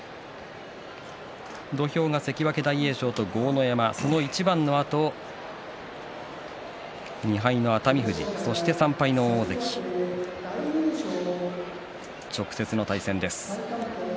土俵が関脇大栄翔と豪ノ山その一番のあと２敗の熱海富士そして３敗の大関貴景勝直接の対戦です。